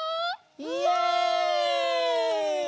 イエイ！